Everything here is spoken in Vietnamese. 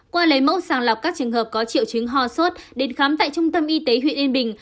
qua lấy mẫu sàng lọc các trường hợp có triệu chứng ho sốt đến khám tại trung tâm y tế huyện yên bình